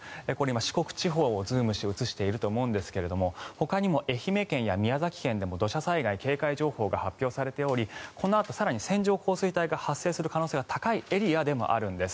四国地方をズームして映していると思うんですがほかにも愛媛県や宮崎県でも土砂災害警戒情報が発表されておりこのあと更に線状降水帯が発生する可能性が高いエリアでもあるんです。